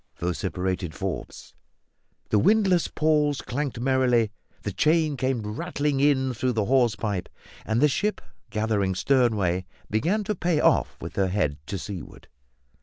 vociferated Forbes. The windlass pawls clanked merrily, the chain came rattling in through the hawse pipe, and the ship, gathering stern way, began to pay off with her head to seaward.